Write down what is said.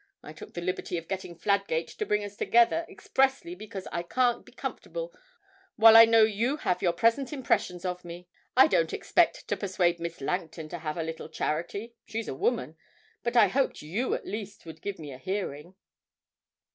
I took the liberty of getting Fladgate to bring us together, expressly because I can't be comfortable while I know you have your present impressions of me. I don't expect to persuade Miss Langton to have a little charity she's a woman; but I hoped you at least would give me a hearing.'